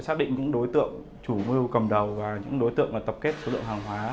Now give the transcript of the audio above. xác định những đối tượng chủ mưu cầm đầu và những đối tượng tập kết số lượng hàng hóa